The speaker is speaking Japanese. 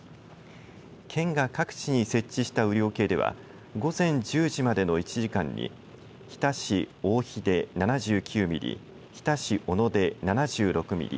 県が各地に設置した雨量計では午前１０時までの１時間に日田市大肥で７９ミリ日田市小野で７６ミリ